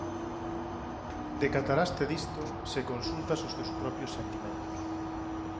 Decataraste disto se consultas os teus propios sentimentos.